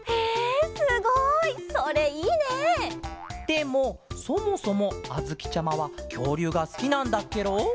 でもそもそもあづきちゃまはきょうりゅうがすきなんだっケロ？